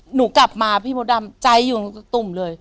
หนูกลับมาพี่มดดำใจอยู่ตุ่มเลย